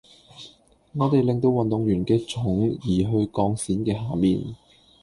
我哋令到運動員嘅重移落去鋼線嘅下面